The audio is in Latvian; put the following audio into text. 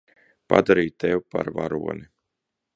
Padarīju tevi par varoni.